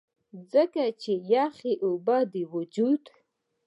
ځکه چې يخې اوبۀ د وجود